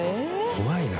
怖いな。